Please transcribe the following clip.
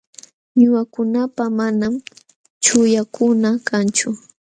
Ñuqakunapa manam chuqllakuna kanchu.